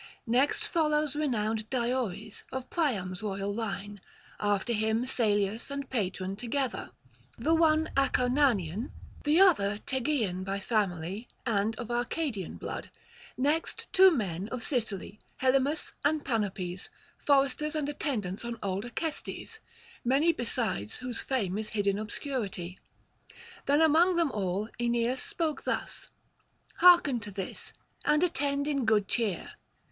Next follows renowned Diores, of Priam's royal line; after him Salius and Patron together, the one Acarnanian, the other Tegean by family and of Arcadian blood; next two men of Sicily, Helymus and Panopes, foresters and attendants on old Acestes; many besides whose fame is hid in [303 338]obscurity. Then among them all Aeneas spoke thus: 'Hearken to this, and attend in good cheer.